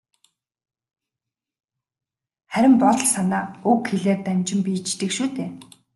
Харин бодол санаа үг хэлээр дамжин биеждэг шүү дээ.